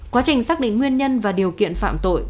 quá trình xác định nguyên nhân và điều kiện phạm tội